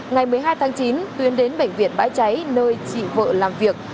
ngày một mươi hai tháng chín tuyên đến bệnh viện bãi cháy nơi chị vợ làm việc